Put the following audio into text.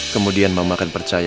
kemudian mama akan percaya